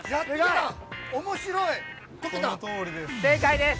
◆正解です。